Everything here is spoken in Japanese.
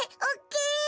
おっきい！